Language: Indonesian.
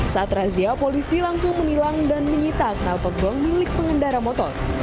saat razia polisi langsung menilang dan menyita kenalpot gong milik pengendara motor